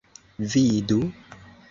Vidu!